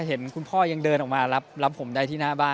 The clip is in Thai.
เห็นคุณพ่อยังเดินออกมารับผมได้ที่หน้าบ้าน